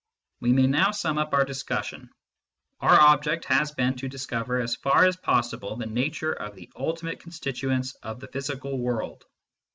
We may now sum up our discussion. Our object has been to discover as far as possible the nature of the ultimate constituents of the physical world.